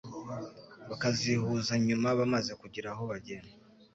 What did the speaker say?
bakazihuza nyuma bamaze kugira aho bagera.